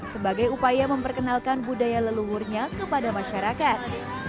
sebagai upaya memperkenalkan budaya leluhurnya kepada masyarakat